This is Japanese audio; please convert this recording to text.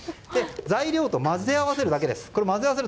材料と混ぜ合わせるだけです。